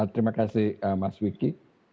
terima kasih mas wiki